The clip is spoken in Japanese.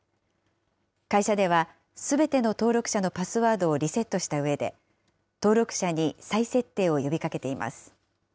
会社では、すべての登録者のパスワードをリセットしたうえで、登録者に再設定を呼びかけています。